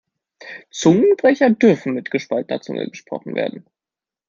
Zungenbrecher dürfen mit gespaltener Zunge gesprochen werden.